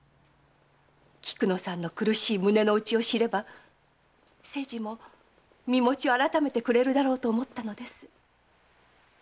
菊乃さんの苦しい胸の内を知れば清次も身持ちを改めてくれるだろうと思ったのです。